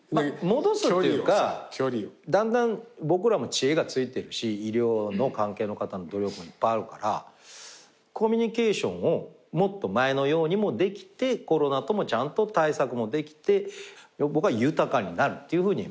戻すっていうかだんだん僕らも知恵がついてるし医療関係の方の努力もいっぱいあるからコミュニケーションをもっと前のようにもできてコロナともちゃんと対策もできて僕は豊かになるっていうふうに。